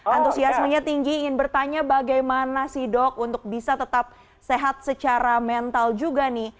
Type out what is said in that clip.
antusiasmenya tinggi ingin bertanya bagaimana sih dok untuk bisa tetap sehat secara mental juga nih